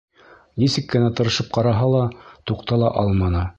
Нисек кенә тырышып ҡараһа ла, туҡтала алманы.